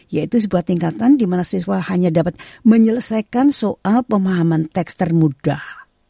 yaitu sebuah tingkatan dimana sesuai hanya dapat menyelesaikan soal pemahaman teks termudah